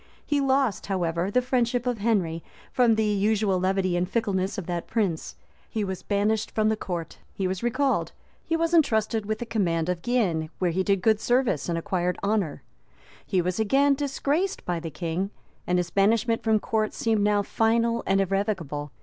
He lost, however, the friendship of Henry from the usual levity and fickleness of that prince; he was banished the court; he was recalled; he was intrusted with the command of Guienne,[] where he did good service and acquired honor; he was again disgraced by the king, and his banishment from court seemed now final and irrevocable.